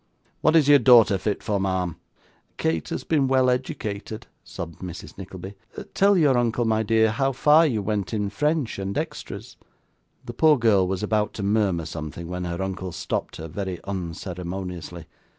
What is your daughter fit for, ma'am?' 'Kate has been well educated,' sobbed Mrs. Nickleby. 'Tell your uncle, my dear, how far you went in French and extras.' The poor girl was about to murmur something, when her uncle stopped her, very unceremoniously.